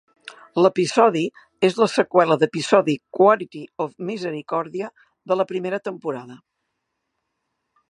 L'episodi és la seqüela de episodi "Quality of Misericòrdia" de la primera temporada.